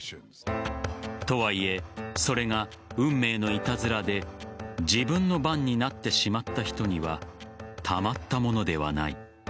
とはいえそれが運命のいたずらで自分の番になってしまった人にはたまったものではない。